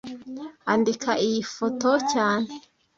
Andika iyi foto cyane